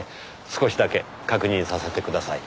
少しだけ確認させてください。